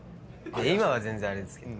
今は全然あれですけど。